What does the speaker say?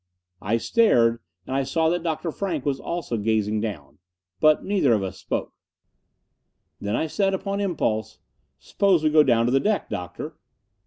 I stared, and I saw that Dr. Frank was also gazing down. But neither of us spoke. Then I said upon impulse, "Suppose we go down to the deck, Doctor?"